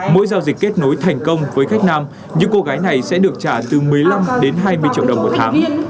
mỗi giao dịch kết nối thành công với khách nam những cô gái này sẽ được trả từ một mươi năm đến hai mươi triệu đồng một tháng